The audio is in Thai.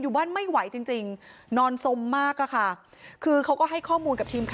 อยู่บ้านไม่ไหวจริงนอนสมมากค่ะคือเขาก็ให้ข้อมูล